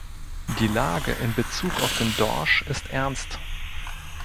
Die Lage in Bezug auf den Dorsch ist ernst.